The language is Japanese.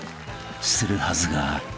［するはずが］